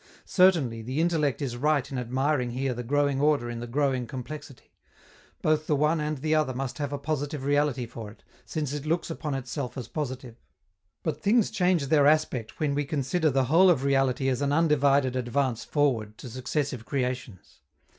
Certainly, the intellect is right in admiring here the growing order in the growing complexity; both the one and the other must have a positive reality for it, since it looks upon itself as positive. But things change their aspect when we consider the whole of reality as an undivided advance forward to successive creations.